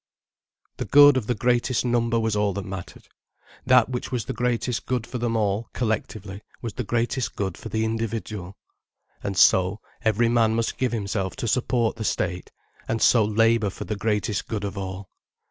The good of the greatest number was all that mattered. That which was the greatest good for them all, collectively, was the greatest good for the individual. And so, every man must give himself to support the state, and so labour for the greatest good of all.